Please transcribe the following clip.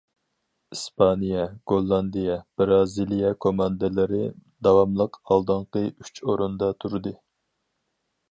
ئىسپانىيە، گوللاندىيە، بىرازىلىيە كوماندىلىرى داۋاملىق ئالدىنقى ئۈچ ئورۇندا تۇردى.